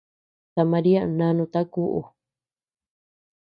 Ta Maria nanuta kuʼu.